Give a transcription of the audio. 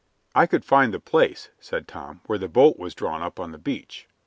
"I could find the place," said Tom, "where the boat was drawn up on the beach."